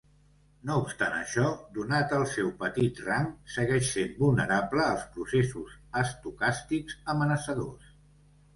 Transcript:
No obstant això, donat el seu petit rang, segueix sent vulnerable als processos estocàstics amenaçadors.